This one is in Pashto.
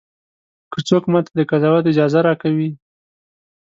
که څوک ماته د قضاوت اجازه راکوي.